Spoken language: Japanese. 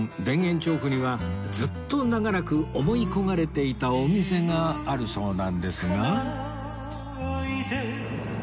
田園調布にはずっと長らく思い焦がれていたお店があるそうなんですが